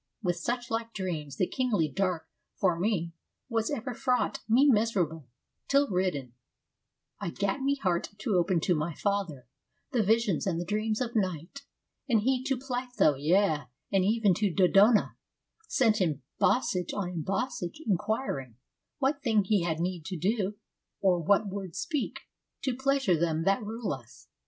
With such like dreams the kingly dark for me Was ever fraught, me miserable : till, ridden, ATHENS IN THE FIFTH CENTURY 67 I gat me heart to open to my father The visions and the dreams of night. And he To Pytho, yea, and even to Dodona, Sent embassage on embassage, inquiring What thing he had need to do, or what word speak, To pleasure them that rule us.